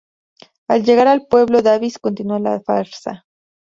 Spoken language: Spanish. Al llegar al pueblo, Davis continúa la farsa.